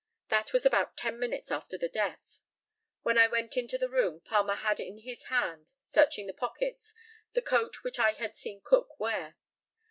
That was about ten minutes after the death. When I went into the room Palmer had in his hand, searching the pockets, the coat which I had seen Cook wear.